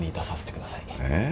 え？